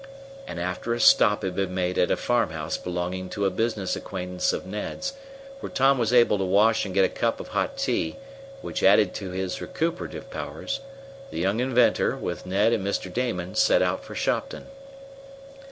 And after a stop had been made at a farmhouse belonging to a business acquaintance of Ned's, where Tom was able to wash and get a cup of hot tea, which added to his recuperative powers, the young inventor, with Ned and Mr. Damon, set out for Shopton.